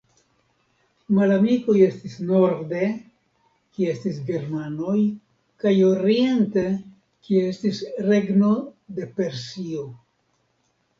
Malamikoj estis norde, kie estis germanoj kaj oriente, kie estis regno de Persio.